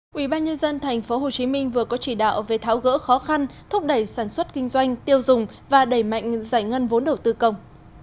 quỹ ban nhân dân tp hcm vừa có chỉ đạo về tháo gỡ khó khăn thúc đẩy sản xuất kinh doanh tiêu dùng và đẩy mạnh giải ngân vốn đầu tư công